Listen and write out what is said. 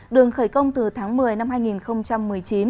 đường khởi công từ tháng một mươi năm hai nghìn một mươi chín